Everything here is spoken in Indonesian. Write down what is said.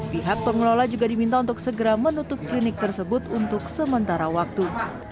pihak pengelola juga diminta untuk segera menutup klinik tersebut untuk sementara waktu